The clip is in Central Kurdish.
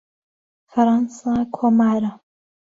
فەرەنسا کۆمارە.